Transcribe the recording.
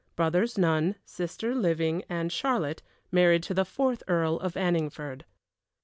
Brothers, none. Sister living, Anne Charlotte, married to the fourth Earl of Anningford.